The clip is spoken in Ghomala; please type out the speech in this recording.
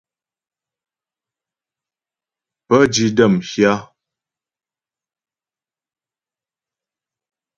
Pə́ di də́ m hyâ.